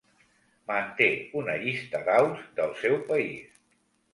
Manté una llista d'aus del seu país.